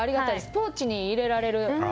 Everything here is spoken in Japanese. ポーチに入れられる。